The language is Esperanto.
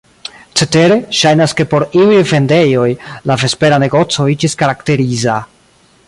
Cetere, ŝajnas ke por iuj vendejoj la vespera negoco iĝis karakteriza.